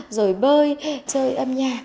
rồi bơi chơi âm nhạc